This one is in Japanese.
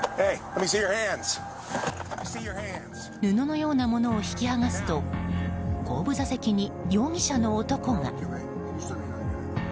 布のようなものを引きはがすと後部座席に容疑者の男が。